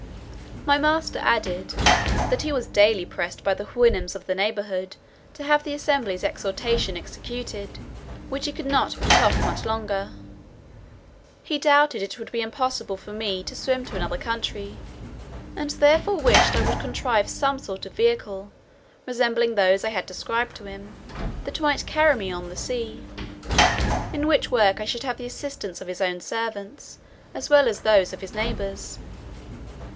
My master added, "that he was daily pressed by the Houyhnhnms of the neighbourhood to have the assembly's exhortation executed, which he could not put off much longer. He doubted it would be impossible for me to swim to another country; and therefore wished I would contrive some sort of vehicle, resembling those I had described to him, that might carry me on the sea; in which work I should have the assistance of his own servants, as well as those of his neighbours."